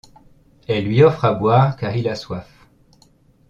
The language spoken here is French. Elle lui offre à boire car il a soif.